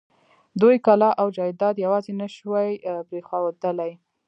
دوی کلا او جايداد يواځې نه شوی پرېښودلای.